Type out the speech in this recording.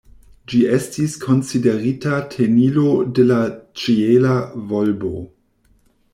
Ĝi estis konsiderita tenilo de la ĉiela volbo.